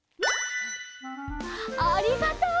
ありがとう！